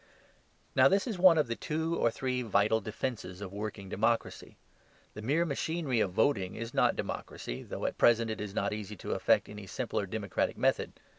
Now, this is one of the two or three vital defences of working democracy. The mere machinery of voting is not democracy, though at present it is not easy to effect any simpler democratic method.